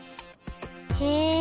へえ！